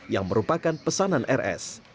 yang merupakan pesanan rs